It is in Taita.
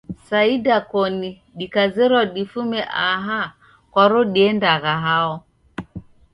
Sa idakoni dikazerwa difume aha kwaro diendagha hao?